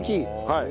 はい。